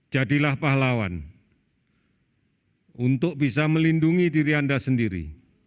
jadilah pahlawan untuk bisa melindungi diri anda sendiri